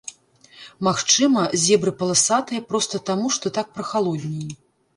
Магчыма, зебры паласатыя проста таму, што так прахалодней.